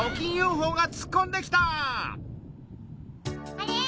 あれ？